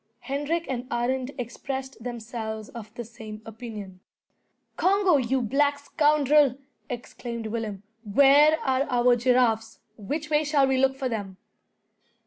Hendrik and Arend expressed themselves of the same opinion. "Congo, you black scoundrel!" exclaimed Willem, "where are our giraffes? Which way shall we look for them?"